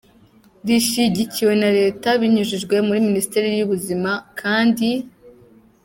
rishyigikiwe na Leta binyujijwe muri Minisiteri y’Ubuzima, kandi.